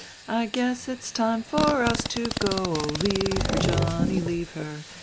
I guess it's time for us to go, Oh, leave her, Johnny, leave her.